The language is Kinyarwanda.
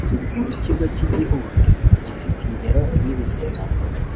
ikigo cy igihugu gifite ingero n ibipimo